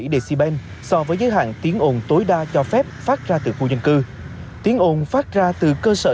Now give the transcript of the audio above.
desibank so với giới hạn tiếng ồn tối đa cho phép phát ra từ khu dân cư tiếng ồn phát ra từ cơ sở